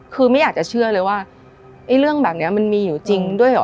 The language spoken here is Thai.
คือไม่อยากจะเชื่อเลยว่าไอ้เรื่องแบบนี้มันมีอยู่จริงด้วยเหรอ